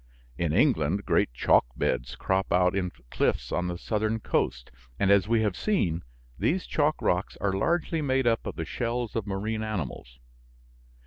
In England great chalk beds crop out in cliffs on the southern coast, and, as we have seen, these chalk rocks are largely made up of the shells of marine animals.